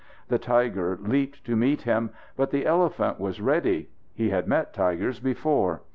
The tiger leaped to meet him, but the elephant was ready. He had met tigers before.